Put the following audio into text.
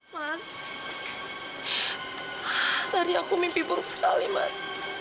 mas sehari aku mimpi buruk sekali mas